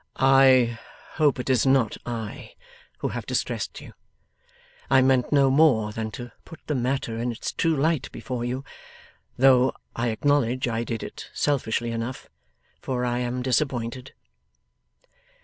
'I hope it is not I who have distressed you. I meant no more than to put the matter in its true light before you; though I acknowledge I did it selfishly enough, for I am disappointed.